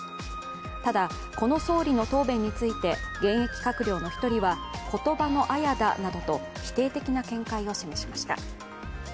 ただ、この総理の答弁について現役閣僚の１人は言葉のあやだなどと否定的な見解を示しました。